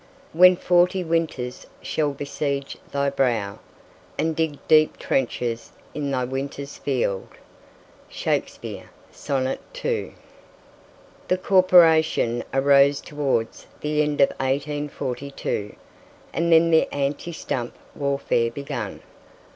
"When forty winters shall besiege thy brow, And dig deep trenches in thy winter's field." Shakespeare, Sonnet 2. The corporation arose towards the end of 1842, and then the anti stump warfare began.